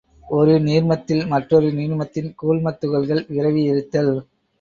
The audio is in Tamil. ஒரு நீர்மத்தில் மற்றொரு நீர்மத்தின் கூழ்மத் துகள்கள் விரவி இருத்தல்.